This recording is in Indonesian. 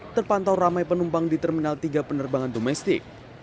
terpantau ramai penumpang di terminal tiga penerbangan domestik